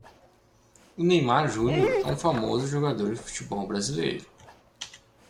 O Neymar Jr é um famoso jogador de futebol brasileiro.